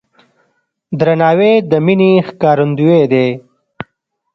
درناوی د مینې ښکارندوی دی.